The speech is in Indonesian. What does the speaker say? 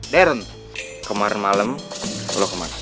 darren kemarin malam lo kemana